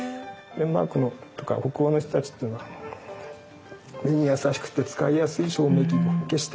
デンマークのとか北欧の人たちっていうのは目にやさしくて使いやすい照明器具。